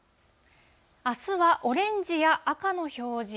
あすはオレンジや赤の表示。